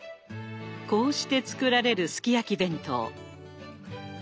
こうして作られるすき焼き弁当。